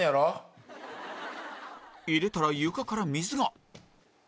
入れたら床から水が